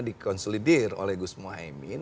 dikonsolidir oleh gus muhaymin